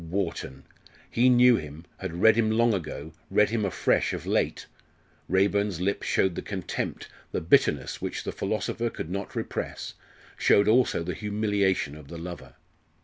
Wharton! He knew him had read him long ago read him afresh of late. Raeburn's lip showed the contempt, the bitterness which the philosopher could not repress, showed also the humiliation of the lover.